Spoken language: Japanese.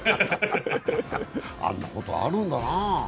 あんなことあるんだなぁ。